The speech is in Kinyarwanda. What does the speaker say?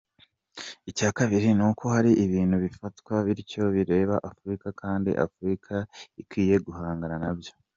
Icya kabiri ni uko hari ibintu bifatwa bityo bireba Afurika kandi Afurika ikwiye guhangana nabyo